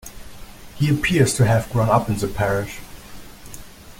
He appears to have grown up in the parish.